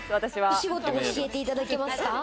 お仕事、教えていただけますか？